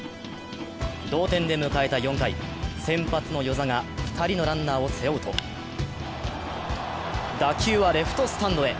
同点で迎えた４回、先発の與座が２人のランナーを背負うと打球はレフトスタンドへ。